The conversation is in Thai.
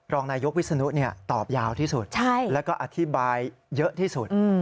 รองนายยกวิศนุตอบยาวที่สุดแล้วก็อธิบายเยอะที่สุด